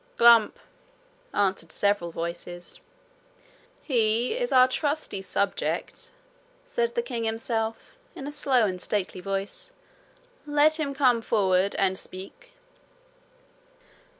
'Glump,' answered several voices. 'He is our trusty subject,' said the king himself, in a slow and stately voice: 'let him come forward and speak.'